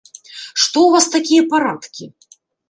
Што ў вас такія парадкі!